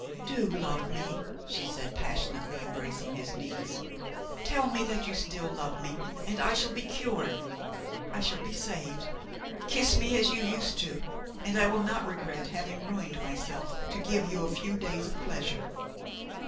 "Do love me," she said, passionately embracing his knees; "tell me that you still love me and I shall be cured, I shall be saved. Kiss me as you used to, and I will not regret having ruined myself to give you a few days of pleasure."